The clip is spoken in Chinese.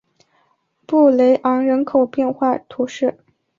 布雷昂人口变化图示